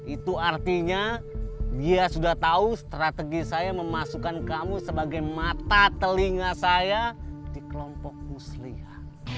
itu artinya dia sudah tahu strategi saya memasukkan kamu sebagai mata telinga saya di kelompok musliyah